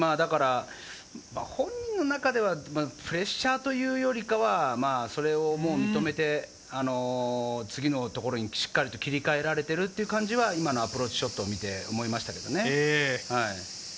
本人の中ではプレッシャーというよりかは、それを認めて次の所にしっかり切り替えられている感じは今のアプローチショットを見て思いましたけどね。